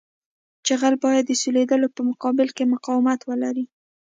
جغل باید د سولېدو په مقابل کې مقاومت ولري